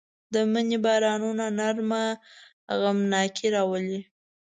د مني بارانونه نرمه غمناکي راولي